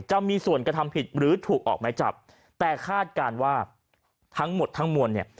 จะมีส่วนกระทำผิดหรือถูกออกไม้จับแต่คาดการณ์ว่าทั้งหมดทั้งมวลเนี่ย